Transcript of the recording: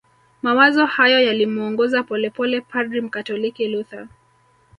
Mawazo hayo yalimuongoza polepole padri mkatoliki Luther